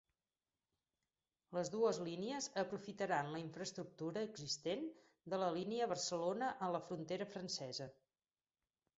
Les dues línies aprofitaran la infraestructura existent de la línia Barcelona a la frontera francesa.